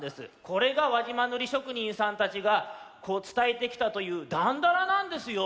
これが輪島塗しょくにんさんたちがつたえてきたという「だんだら」なんですよ！